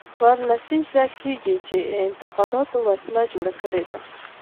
څلور لسیزې کېږي چې دې اعتقاداتو وسله جوړه کړې.